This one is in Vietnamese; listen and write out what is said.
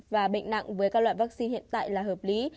và bệnh nặng với các loại vaccine hiện tại là hợp lý